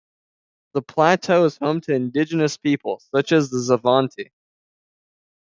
The plateau is home to indigenous peoples, such as the Xavante.